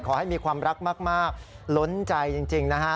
ขอให้มีความรักมากล้นใจจริงนะฮะ